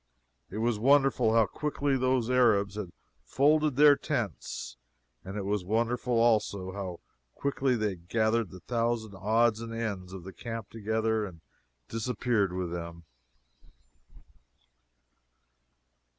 It was wonderful how quickly those Arabs had "folded their tents;" and it was wonderful, also, how quickly they had gathered the thousand odds and ends of the camp together and disappeared with them.